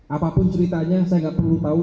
apapun ceritanya saya gak perlu tau